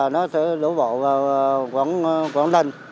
nó sẽ đổ bộ vào quảng linh